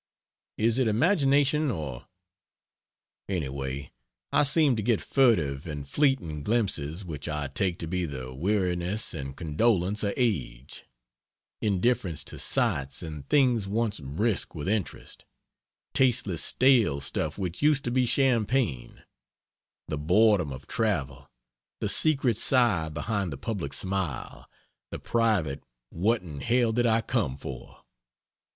Is it imagination, or Anyway I seem to get furtive and fleeting glimpses which I take to be the weariness and condolence of age; indifference to sights and things once brisk with interest; tasteless stale stuff which used to be champagne; the boredom of travel: the secret sigh behind the public smile, the private What in hell did I come for!